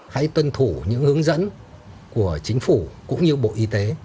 hãy tuân thủ những hướng dẫn của chính phủ cũng như bộ y tế